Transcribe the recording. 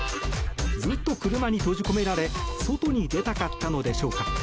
ずっと車に閉じ込められ外に出たかったのでしょうか。